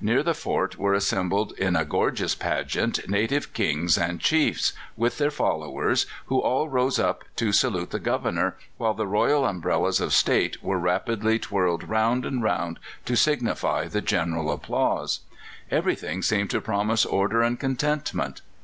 Near the fort were assembled in a gorgeous pageant native Kings and chiefs, with their followers, who all rose up to salute the Governor, while the royal umbrellas of state were rapidly whirled round and round to signify the general applause. Everything seemed to promise order and contentment.